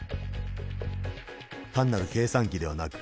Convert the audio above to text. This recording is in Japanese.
単なる計算機ではなく。